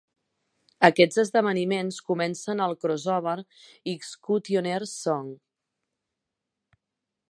Aquests esdeveniments comencen el crossover "X-Cutioner's Song".